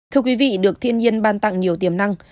thưa quý vị được thiên nhiên ban tặng nhiều tiềm năng